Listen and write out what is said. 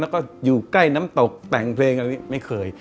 แล้วก็อยู่ใกล้น้ำตกแต่งเพลงอะไรไม่เคย